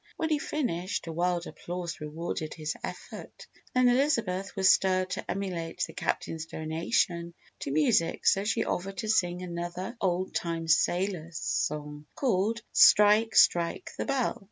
When he finished, a wild applause rewarded his effort. Then Elizabeth was stirred to emulate the Captain's donation to music so she offered to sing another old time sailors' song called "Strike, Strike the Bell."